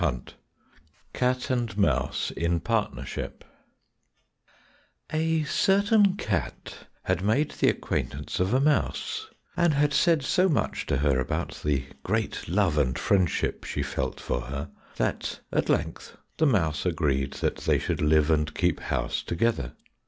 2 Cat and Mouse in Partnership A certain cat had made the acquaintance of a mouse, and had said so much to her about the great love and friendship she felt for her, that at length the mouse agreed that they should live and keep house together.